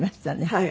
はい。